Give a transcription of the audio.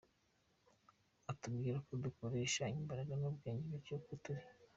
Atubwira ko dukoresha imbaraga n’ubwenge bityo ko turi